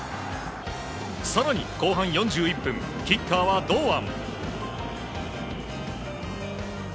さらに後半４１分、キッカーは堂安。